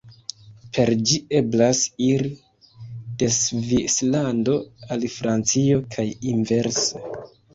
Per ĝi eblas iri de Svislando al Francio kaj inverse.